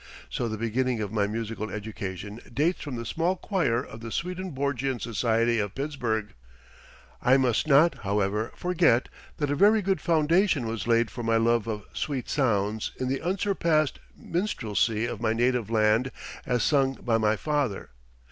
So the beginning of my musical education dates from the small choir of the Swedenborgian Society of Pittsburgh. I must not, however, forget that a very good foundation was laid for my love of sweet sounds in the unsurpassed minstrelsy of my native land as sung by my father.